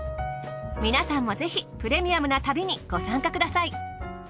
皆さんもぜひプレミアムな旅にご参加ください。